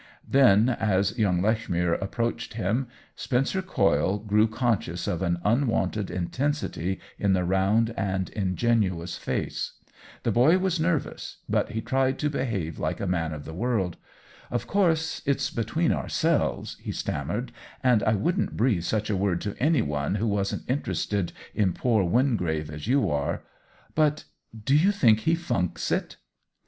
Then, as young Lechmere approached him, Spen cer Coyle grew conscious of an unwonted intensity in the round and ingenuous face. The boy was nervous, but he tried to be have like a man of the world. " Of course, it's between ourselves," he stammered, " and I wouldn't breathe such a word to any one who wasn't interested in poor Wingrave as you are. But do you think he funks it